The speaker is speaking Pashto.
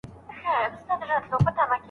د څيړني موضوع باید نوې وي.